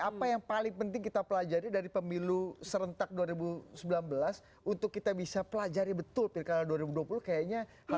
apa yang paling penting kita pelajari dari pemilu serentak dua ribu sembilan belas untuk kita bisa pelajari betul pilkada dua ribu dua puluh kayaknya